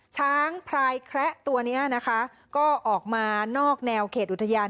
ช้างพลายแคระตัวนี้นะคะก็ออกมานอกแนวเขตอุทยาน